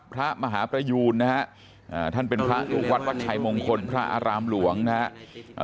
พระมหาประยูนนะฮะท่านเป็นพระลูกวัดวัดชัยมงคลพระอารามหลวงนะฮะ